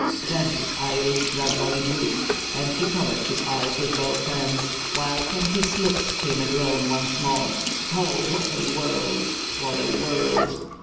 Then his eyelids gradually drooped, and he covered his eyes with both hands; while from his lips came a groan once more. "Oh! what a world! what a world!"